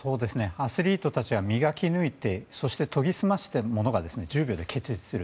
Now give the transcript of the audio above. アスリートたちが磨き抜いてそして、研ぎ澄ませたものが１０秒で結実する。